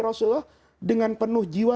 rasulullah dengan penuh jiwa